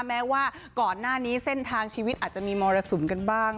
แม้ว่าก่อนหน้านี้เส้นทางชีวิตอาจจะมีมรสุมกันบ้าง